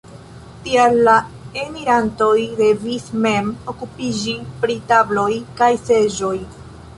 Tial la enirantoj devis mem okupiĝi pri tabloj kaj seĝoj.